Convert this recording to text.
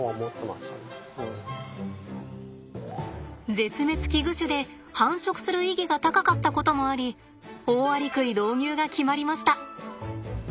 絶滅危惧種で繁殖する意義が高かったこともありオオアリクイ導入が決まりました！